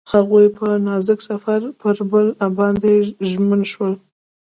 هغوی په نازک سفر کې پر بل باندې ژمن شول.